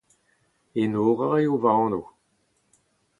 Enora eo ma anv.